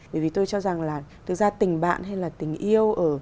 bởi vì tôi cho rằng là tình bạn hay là tình yêu